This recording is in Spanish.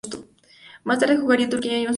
Más tarde jugaría en Turquía y en su país.